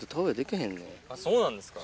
そうなんですか。